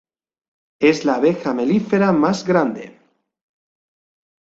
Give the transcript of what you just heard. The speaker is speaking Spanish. Es la abeja melífera más grande.